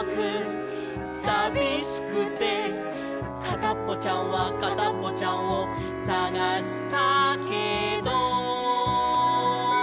「かたっぽちゃんはかたっぽちゃんをさがしたけど」